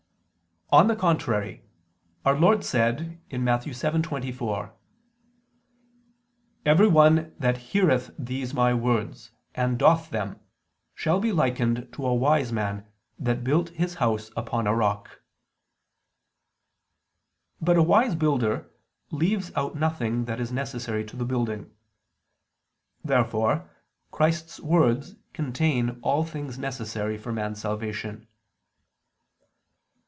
On the contrary, Our Lord said (Matt. 7:24): "Every one ... that heareth these My words, and doth them, shall be likened to a wise man that built his house upon a rock." But a wise builder leaves out nothing that is necessary to the building. Therefore Christ's words contain all things necessary for man's salvation.